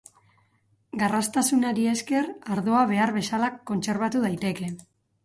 Garraztasunari esker ardoa behar bezala kontserbatu daiteke.